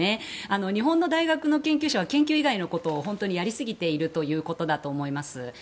日本の大学の研究者は研究以外のことを本当にやりすぎているということだと思います。